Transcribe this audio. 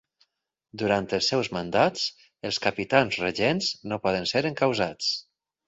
Durant els seus mandats, els capitans regents no poden ser encausats.